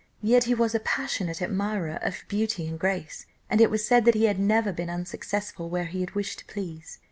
Yet he was a passionate admirer of beauty and grace, and it was said that he had never been unsuccessful where he had wished to please.